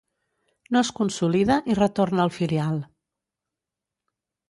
No es consolida i retorna al filial.